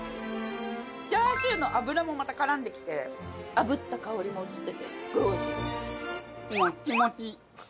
チャーシューの脂もまた絡んできてあぶった香りも移っててすっごいおいしいです。